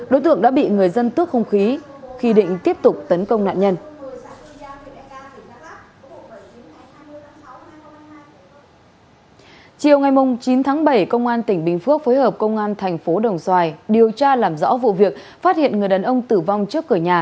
đối tượng đã bị người dân tước hung khí khi định tiếp tục tấn công nạn nhân